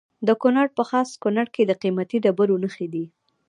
د کونړ په خاص کونړ کې د قیمتي ډبرو نښې دي.